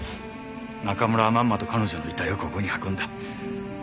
中村はまんまと彼女の遺体をここに運んだ。